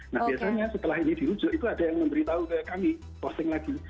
nah biasanya setelah ini dirujuk itu ada yang memberitahu ke kami posting lagi